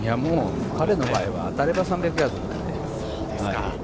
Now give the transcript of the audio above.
彼の場合は当たれば３００ヤードだからね。